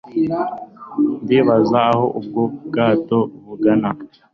Ndibaza aho ubwo bwato bugana